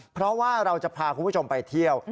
เพราะว่าเราจะพาคุณผู้ชมไปเที่ยว